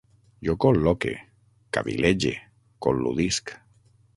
Jo col·loque, cavil·lege, col·ludisc